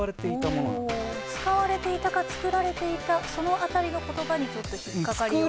「使われていた」か「つくられていた」その辺りの言葉にちょっと引っ掛かりを？